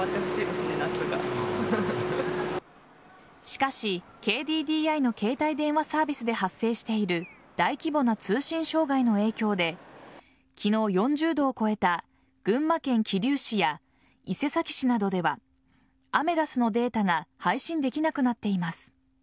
しかしＫＤＤＩの携帯電話サービスで発生している大規模な通信障害の影響で昨日、４０度を超えた群馬県桐生市や伊勢崎市などではアメダスのデータが配信できなくなっています。